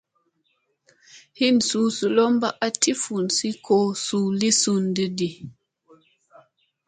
Hin suu zolomba a ti fundi ko suu li sundadi.